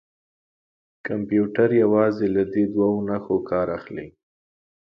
کمپیوټر یوازې له دې دوو نښو کار اخلي.